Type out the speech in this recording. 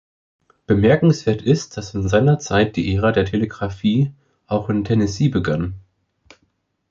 Bemerkenswert ist, dass in seiner Zeit die Ära der Telegraphie auch in Tennessee begann.